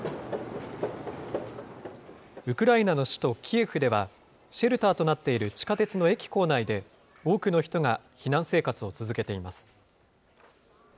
ウクライナの首都キエフでは、シェルターとなっている地下鉄の駅構内で多くの人が避難生活を続けています。